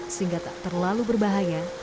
sehingga tak terlalu berbahaya